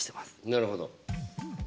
なるほど。